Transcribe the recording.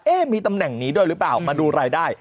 มีตำแหน่งนี้ด้วยหรือเปล่ามาดูรายได้